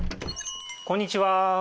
こんにちは！